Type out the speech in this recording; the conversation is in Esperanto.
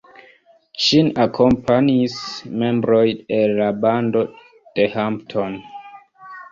Ŝin akompanis membroj el la bando de Hampton.